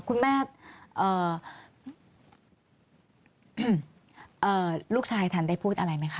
คุณแม่ลูกชายทันได้พูดอะไรไหมคะ